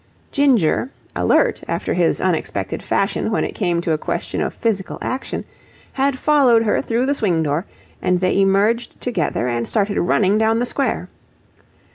Ginger, alert after his unexpected fashion when it became a question of physical action, had followed her through the swing door, and they emerged together and started running down the square.